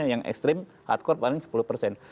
yang ekstrim hardcore paling sepuluh persen